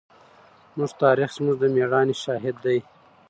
زموږ تاریخ زموږ د مېړانې شاهد دی.